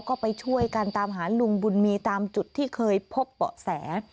ก็ไปช่วยกันตามหาลุงบุญมีตามจุดที่เคยพบเบาะแส